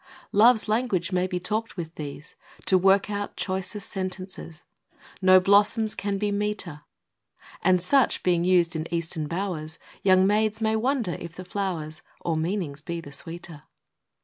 Love's language may be talked with these To work out choicest sentences, No blossoms can be meeter, CALLS OF THE HEART. 43 And, such being used in Eastern bowers, Young maids may wonder if the flowers Or meanings be the sweeter.